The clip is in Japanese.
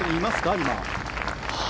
今。